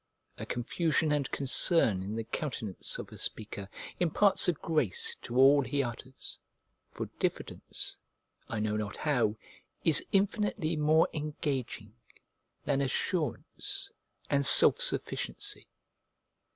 A confusion and concern in the countenance of a speaker imparts a grace to all he utters; for diffidence, I know not how, is infinitely more engaging than assurance and self sufficiency.